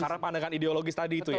karena pandangan ideologis tadi itu ya